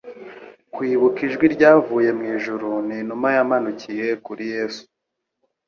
Kwibuka ijwi ryavuye mu ijuru n'inuma yamanukiye kuri Yesu,